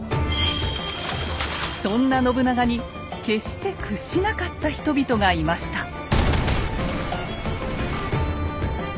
そんな信長に決して屈しなかった人々がいました。